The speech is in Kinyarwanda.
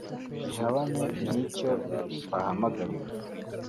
zihabanye n'icyo bahamagariwe